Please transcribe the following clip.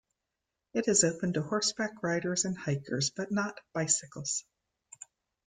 It is open to horseback riders and hikers but not bicycles.